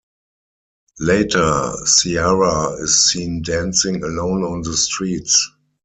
Later Ciara is seen dancing alone on the streets.